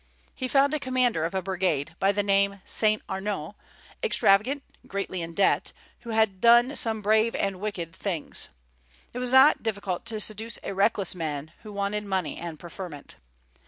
He found a commander of a brigade, by name Saint Arnaud, extravagant, greatly in debt, who had done some brave and wicked things. It was not difficult to seduce a reckless man who wanted money and preferment.